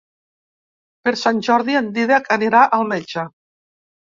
Per Sant Jordi en Dídac anirà al metge.